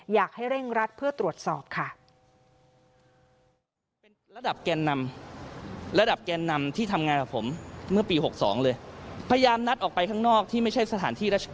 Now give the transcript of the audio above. อยากให้เร่งรัดเพื่อตรวจสอบค่ะ